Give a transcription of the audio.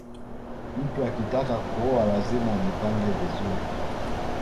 mtu akitaka kuoa lazima ajipange vizuri